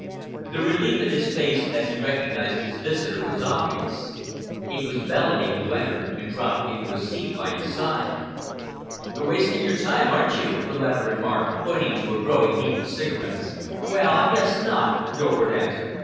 The relief in his face as he recognized his visitor was obvious. It was Bellamy who entered and dropped into a seat by his side. "Wasting your time, aren't you?" the latter remarked, pointing to the growing heap of cigarettes. "Well, I guess not," Dorward answered.